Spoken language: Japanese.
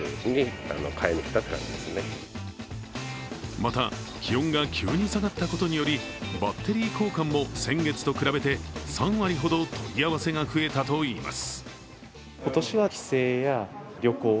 また、気温が急に下がったことによりバッテリー交換も先月と比べて３割ほど問い合わせが増えたといいます。